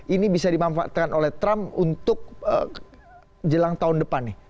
ini bisa dimanfaatkan oleh trump untuk jelang tahun depan nih